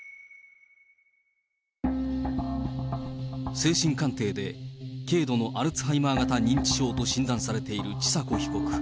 精神鑑定で、軽度のアルツハイマー型認知症と診断されている千佐子被告。